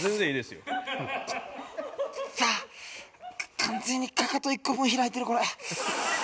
完全にかかと１個分開いてるこれ。